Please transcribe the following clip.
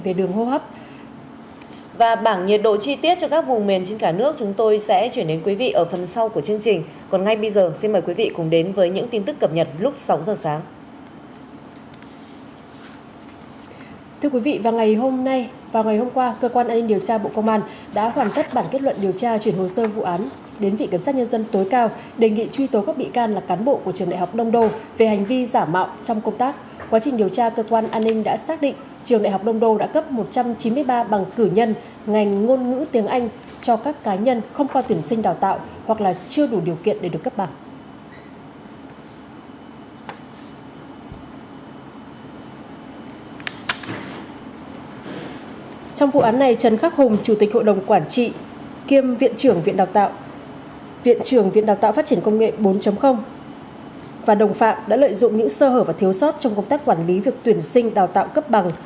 trong vụ án này trần khắc hùng chủ tịch hội đồng quản trị kiêm viện trưởng viện đào tạo phát triển công nghệ bốn và đồng phạm đã lợi dụng những sơ hở và thiếu sót trong công tác quản lý việc tuyển sinh đào tạo cấp bằng